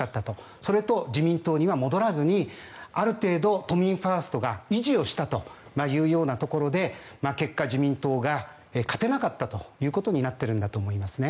それと、自民党には戻らずにある程度、都民ファーストが維持をしたというようなところで結果、自民党が勝てなかったということになってるんだと思いますね。